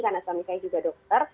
karena suami saya juga dokter